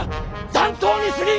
残党にすぎん！